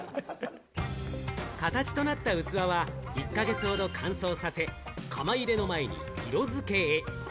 形となった器は、１か月ほど乾燥させ、窯入れの前に色付けへ。